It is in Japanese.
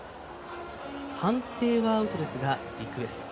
判定はアウトですがリクエスト。